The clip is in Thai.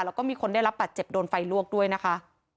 แล้วก็มีคนได้รับบาดเจ็บโดนไฟลวกด้วยนะคะ